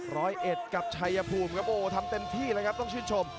ร้อยเอ็ดกับชัยภูมิครับโอ้ทำเต็มที่เลยครับต้องชื่นชม